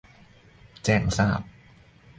แจ้งทราบ